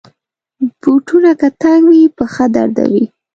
بوټونه که تنګ وي، پښه دردوي.